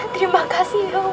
terimakasih ya allah